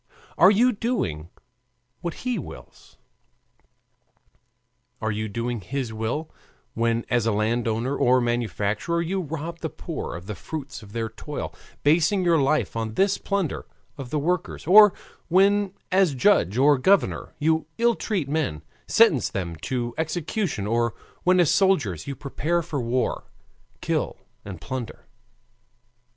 Are you doing what he wills? Are you doing his will, when as landowner or manufacturer you rob the poor of the fruits of their toil, basing your life on this plunder of the workers, or when, as judge or governor, you ill treat men, sentence them to execution, or when as soldiers you prepare for war, kill and plunder?